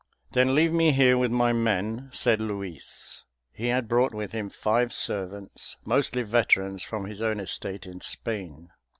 "Then leave me here with my men," said Luis. He had brought with him five servants, mostly veterans, from his own estate in Spain.